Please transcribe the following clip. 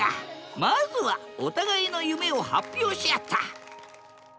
まずはお互いの夢を発表し合った！